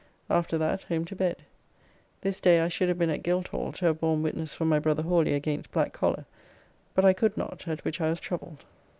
After that home to bed. This day I should have been at Guildhall to have borne witness for my brother Hawly against Black Collar, but I could not, at which I was troubled.